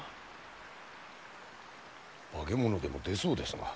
化け物でも出そうですな。